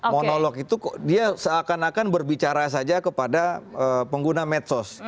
monolog itu dia seakan akan berbicara saja kepada pengguna medsos